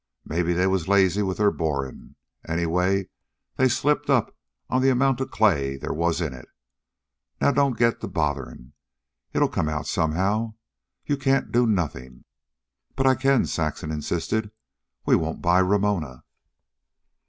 Maybe they was lazy with their borin's. Anyway, they slipped up on the amount of clay they was in it. Now don't get to botherin'. It'd come out somehow. You can't do nothin'." "But I can," Saxon insisted. "We won't buy Ramona."